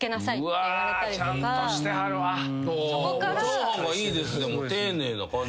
「チャーハンがいいです」でも丁寧な感じやけど。